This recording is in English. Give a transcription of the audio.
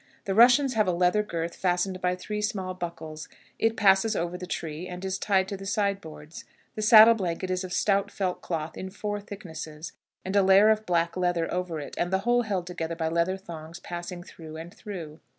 The Russians have a leather girth fastened by three small buckles: it passes over the tree, and is tied to the side boards. The saddle blanket is of stout felt cloth in four thicknesses, and a layer of black leather over it, and the whole held together by leather thongs passing through and through.